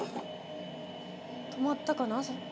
止まったかな？